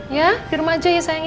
ya di rumah aja ya sayang ya